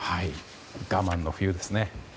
我慢の冬ですね。